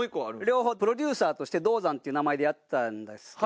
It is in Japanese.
両方プロデューサーとして道三っていう名前でやってたんですけど。